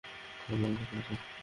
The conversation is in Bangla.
তেমন কিছু না, স্যার।